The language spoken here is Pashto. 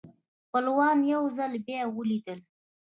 خپلوان یو ځل بیا ولیدل.